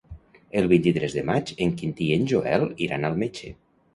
El vint-i-tres de maig en Quintí i en Joel iran al metge.